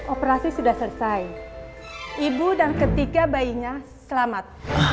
operasi sudah selesai ibu dan ketiga bayinya selamat